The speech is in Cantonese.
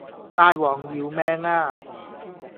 大王饒命呀